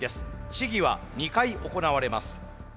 試技は２回行われます。